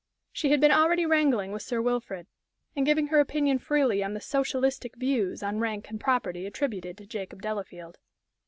She had been already wrangling with Sir Wilfrid, and giving her opinion freely on the "socialistic" views on rank and property attributed to Jacob Delafield.